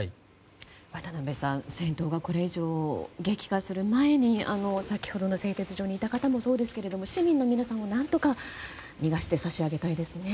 渡辺さん戦闘がこれ以上激化する前に先ほどの製鉄所にいた方もそうですけれども市民の皆さんを何とか逃がしてさしあげたいですね。